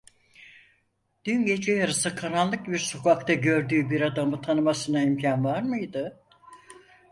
Dün gece yarısı karanlık bir sokakta gördüğü bir adamı tanımasına imkân var mıydı?